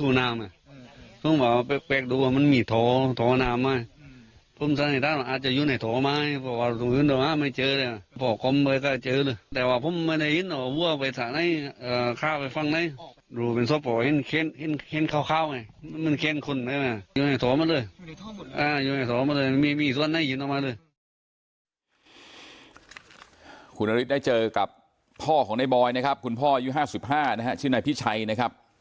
คุณอฤทธิ์ได้เจอกับพ่อของนายบอยนะครับคุณพ่อยู่๕๕ชื่อนายพี่ชัยนะครับ